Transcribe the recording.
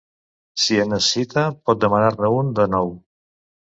Si en necessita, pot demanar-ne un de nou.